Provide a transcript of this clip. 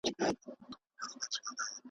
له خالپوڅو تر پیریه لږ خوږې ډیري ترخې دي .